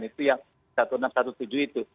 itu yang satu enam ratus tujuh belas itu